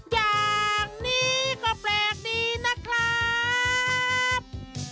อย่างนี้ก็แปลกดีนะครับ